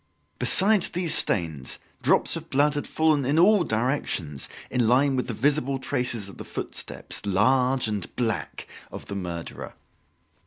Besides these stains, drops of blood had fallen in all directions, in line with the visible traces of the footsteps large and black of the murderer.